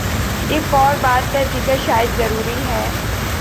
ایک اور بات کا ذکر شاید ضروری ہے۔